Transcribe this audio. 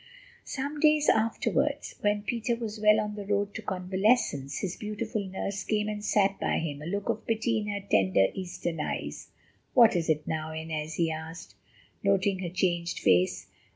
Some days afterwards, when Peter was well on the road to convalescence, his beautiful nurse came and sat by him, a look of pity in her tender, Eastern eyes. "What is it now, Inez?" he asked, noting her changed face.